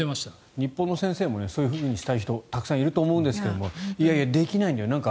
日本の先生もそういうふうにしたい人たくさんいると思いますがいやいや、できないんだよ